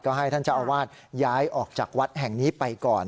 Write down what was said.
ก็ให้ท่านเจ้าอาวาสย้ายออกจากวัดแห่งนี้ไปก่อน